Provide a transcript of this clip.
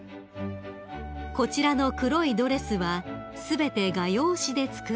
［こちらの黒いドレスは全て画用紙で作ったもの］